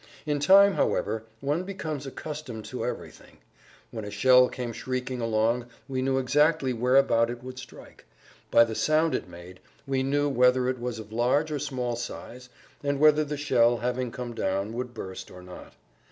In time, however, one becomes accustomed to everything. When a shell came shrieking along we knew exactly whereabout it would strike. By the sound it made we knew whether it was of large or small size and whether the shell, having come down, would burst or not.